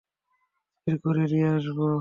চিকুরে নিয়ে আসবো?